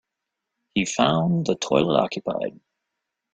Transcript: He found the toilet occupied.